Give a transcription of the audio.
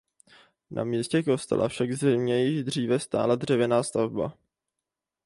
Na místě kostela však zřejmě již dříve stála dřevěná stavba.